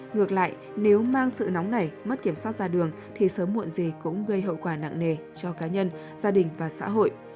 ngược lại nếu mang sự nóng này mất kiểm soát ra đường thì sớm muộn gì cũng gây hậu quả nặng nề cho cá nhân gia đình và xã hội